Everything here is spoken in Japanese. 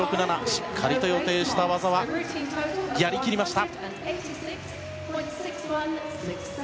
しっかりと予定した技はやり切りました。